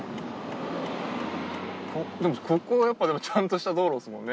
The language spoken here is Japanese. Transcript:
でもここやっぱでもちゃんとした道路ですもんね。